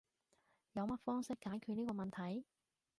有乜方式解決呢個問題？